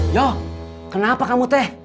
yoh kenapa kamu teh